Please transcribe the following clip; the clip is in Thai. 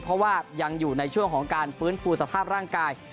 เพราะว่ายังอยู่ในช่วงของการฟื้นฟูสภาพร่างกาย